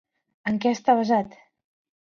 En què està basat?